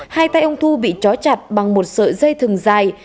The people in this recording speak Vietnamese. hai tay ông thu bị chó chặt bằng một sợi dây thừng dài